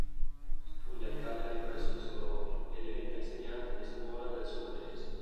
Studia a Cagliari presso gli Scolopi e diventa insegnante di scuola del suo paese.